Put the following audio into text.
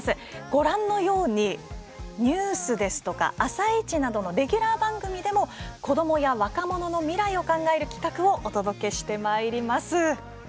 ご覧のようにニュースや「あさイチ」などのレギュラー番組でも子どもや若者の未来を考える企画をお届けしていきます。